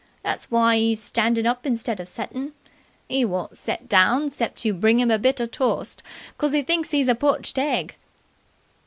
That's why 'e 's standin' up instead of settin'. 'E won't set down 'cept you bring 'im a bit o' toast, 'cos he thinks 'e 's a poached egg."